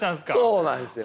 そうなんですよ。